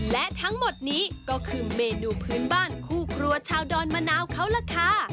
และทั้งหมดนี้ก็คือเมนูพื้นบ้านคู่ครัวชาวดอนมะนาวเขาล่ะค่ะ